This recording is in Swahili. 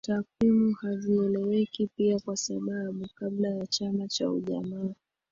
Takwimu hazieleweki pia kwa sababu kabla ya chama cha ujamaa